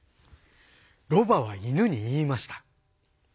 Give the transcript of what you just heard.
ロバは犬に言いました。